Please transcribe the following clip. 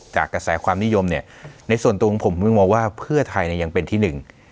กระแสความนิยมเนี่ยในส่วนตัวของผมเพิ่งมองว่าเพื่อไทยเนี่ยยังเป็นที่หนึ่ง